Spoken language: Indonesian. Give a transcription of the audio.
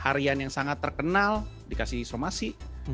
harian yang sangat terkenal dikasih somasi